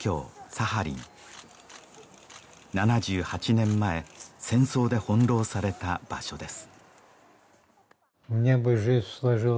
サハリン７８年前戦争で翻弄された場所です